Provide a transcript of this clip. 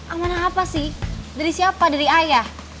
amanah apa sih dari siapa dari ayah